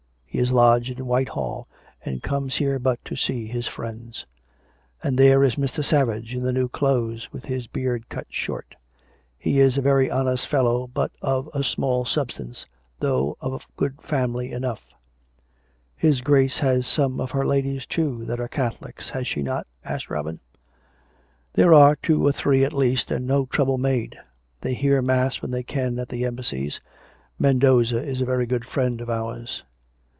He is lodged in Whitehall, and comes here but to see his friends. And there is Mr. Savage, in the new clothes, with his beard cut short. He is a very honest fel low, but of a small substance, though of good family enough." " Her Grace has some of her ladies, too, that are Catho lics, has she not?" asked Robin. " There are two or three at least, and no trouble made. They hear mass when they can at the Embassies. Men doza is a very good friend of ours."